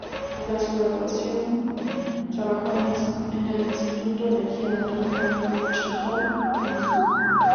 Tras su graduación, trabajó en el Instituto de Energía Atómica Kurchátov en Moscú.